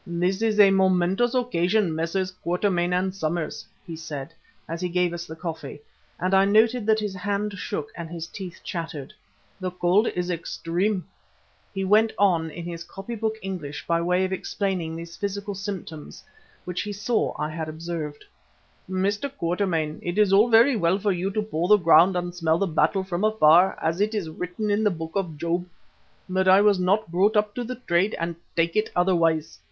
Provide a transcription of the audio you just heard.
"This is a momentous occasion, Messrs. Quatermain and Somers," he said as he gave us the coffee, and I noted that his hand shook and his teeth chattered. "The cold is extreme," he went on in his copybook English by way of explaining these physical symptoms which he saw I had observed. "Mr. Quatermain, it is all very well for you to paw the ground and smell the battle from afar, as is written in the Book of Job. But I was not brought up to the trade and take it otherwise.